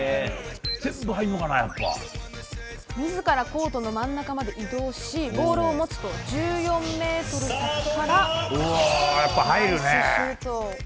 自らコートの真ん中まで移動しボールを持つと１４ｍ先からナイスシュート！